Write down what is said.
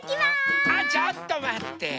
あちょっとまって！